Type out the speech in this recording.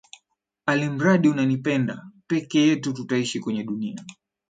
Alimradi unanipenda, peke yetu tutaishi kwenye dunia.